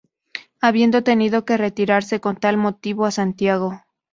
Habiendo tenido que retirarse con tal motivo a Santiago.